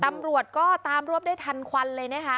ตำรวจก็ตามรวบได้ทันควันเลยนะคะ